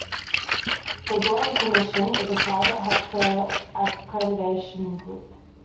The Joint Commission is a private healthcare accreditation group.